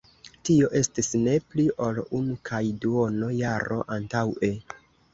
Tio estis ne pli ol unu kaj duono jaro antaŭe.